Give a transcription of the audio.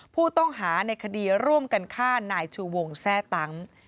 ผู้ต้องหาในคดีร่วมกันฆ่านายชูวงแทร่ตั้ง